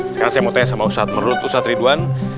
sekarang saya mau tanya sama ustadz menurut ustadz ridwan